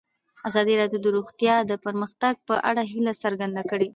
ازادي راډیو د روغتیا د پرمختګ په اړه هیله څرګنده کړې.